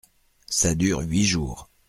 Ca dure huit jours !…